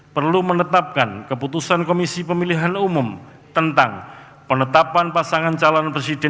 perlu menetapkan keputusan komisi pemilihan umum tentang penetapan pasangan calon presiden